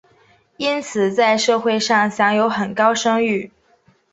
因此在社会上享有很高声誉。